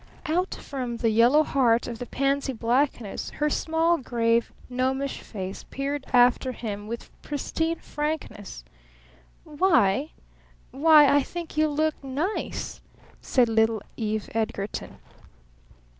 Out from the yellow heart of the pansy blackness her small, grave, gnomish face peered after him with pristine frankness. "Why why I think you look nice," said little Eve Edgarton.